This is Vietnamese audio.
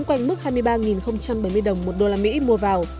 quanh mức hai mươi ba bảy mươi đồng một đô la mỹ mua vào